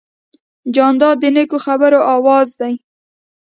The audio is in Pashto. جانداد د نیکو خبرو آواز دی.